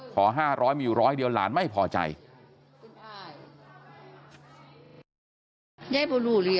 ขอ๕๐๐มิวร้อยเดียวหลานไม่พอใจ